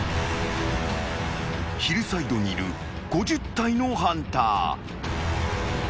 ［ヒルサイドにいる５０体のハンター］